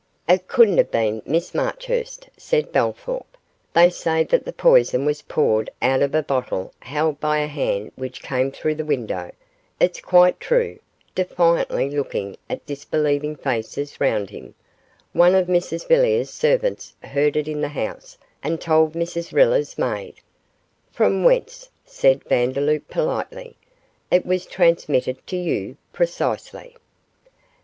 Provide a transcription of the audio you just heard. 'It couldn't have been Miss Marchurst,' said Bellthorp, 'they say that the poison was poured out of a bottle held by a hand which came through the window it's quite true,' defiantly looking at the disbelieving faces round him; 'one of Mrs Villiers' servants heard it in the house and told Mrs Riller's maid.' 'From whence,' said Vandeloup, politely, 'it was transmitted to you precisely.